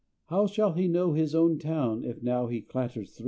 How shall he know his own town If now he clatters thro'?